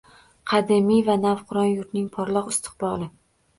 Qadimiy va navqiron yurtning porloq istiqboli